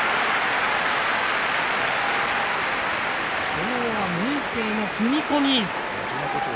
今日は明生の踏み込み。